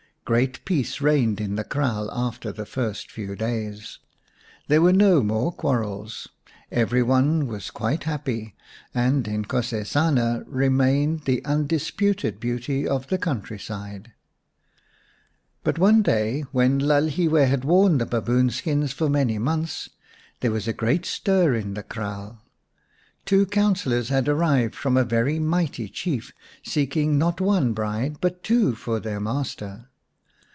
Great peace reigned in the kraal after the first few days ; there were no more quarrels, every one was quite happy, and Inkosesana remained the undisputed beauty of the country side, 142 xii Baboon Skins But one day, when Lalhiwe had worn the baboon skins many months, there was a great stir in the kraal. Two councillors had arrived from a very mighty Chief, seeking not one bride but two for their master.